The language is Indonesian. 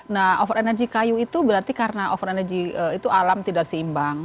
nah over energy kayu itu berarti karena over energy itu alam tidak seimbang